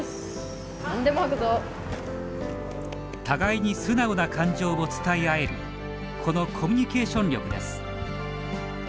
互いに素直な感情を伝え合えるこのコミュニケーション力です。